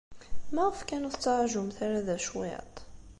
Maɣef kan ur tettṛajumt ara da cwiṭ?